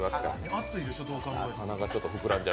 熱いでしょ、どう考えても。